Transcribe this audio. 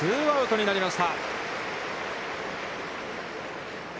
ツーアウトになりました。